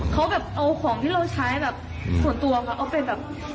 เขาแบบเอาของที่เราใช้แบบส่วนตัวเขาเอาไปแบบ